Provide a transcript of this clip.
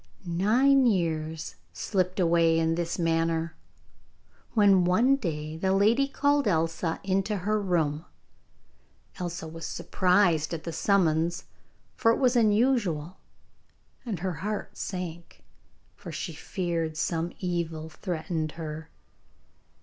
Nine years slipped away in this manner, when one day the lady called Elsa into her room. Elsa was surprised at the summons, for it was unusual, and her heart sank, for she feared some evil threatened her.